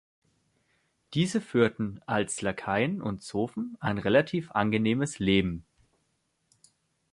Diese führten als Lakaien und Zofen ein relativ angenehmes Leben.